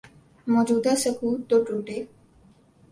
موجودہ سکوت تو ٹوٹے۔